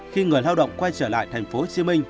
khi người lao động quay trở lại tp hcm